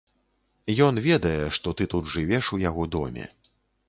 Ён ведае, што ты тут жывеш у яго доме.